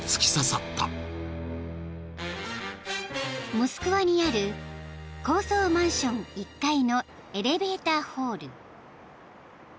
［モスクワにある高層マンション１階のエレベーターホール］